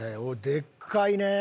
でっかいね！